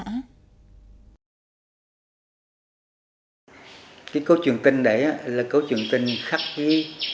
cái câu truyền tin đấy là câu truyền tin khắc ghi